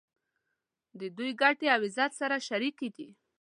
د دوی ګټې او عزت سره شریک دي.